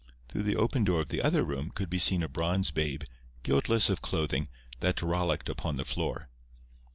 Through the open door of the other room could be seen a bronze babe, guiltless of clothing, that rollicked upon the floor.